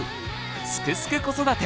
「すくすく子育て」